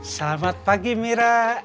selamat pagi mira